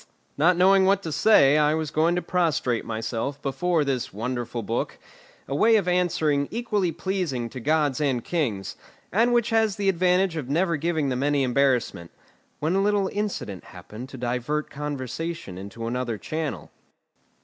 not knowing what to say, I was going to prostrate myself before this wonderful book, a way of answering equally pleasing to gods and kings, and which has the advantage of never giving them any embarrassment, when a little incident happened to divert conversation into another channel.